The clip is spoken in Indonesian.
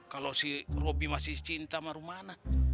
kalau si robi masih cinta sama rumana